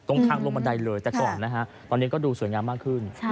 ตรงทางลงบันไดเลยแต่ก่อนนะฮะตอนนี้ก็ดูสวยงามมากขึ้น